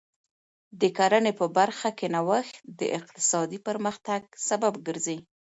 د کرنې په برخه کې نوښت د اقتصادي پرمختګ سبب ګرځي.